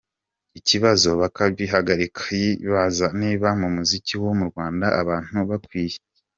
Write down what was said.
ikibazo, bakabihagarika, Yibaza niba mu muziki wo mu Rwanda, abantu bakwiye